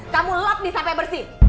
kamu lock disampe bersih